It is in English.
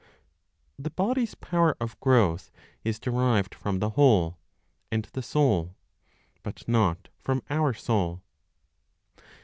THE BODY'S POWER OF GROWTH IS DERIVED FROM THE WHOLE, AND THE SOUL; BUT NOT FROM OUR SOUL.